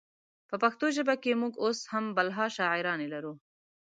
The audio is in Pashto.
په پښتو ژبه کې مونږ اوس هم بلها شاعرانې لرو